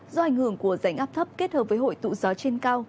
do ảnh hưởng của rảnh áp thấp kết hợp với hội tụ gió trên cao